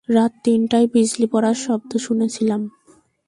রাত তিনটায়, বিজলি পড়ার শব্দ শুনেছিলাম।